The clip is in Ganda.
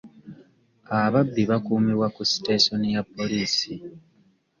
Ababbi bakuumibwa ku sitesoni ya poliisi.